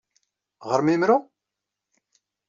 Ɣer-m imru?